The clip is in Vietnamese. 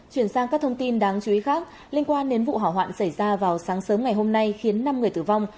chuyển sang các thông tin đáng chú ý khác liên quan đến vụ hỏa hoạn xảy ra vào sáng sớm ngày hôm nay khiến năm người tử vong